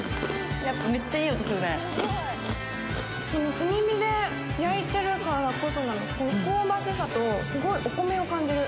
炭火で焼いてるからこその香ばしさとすごいお米を感じる。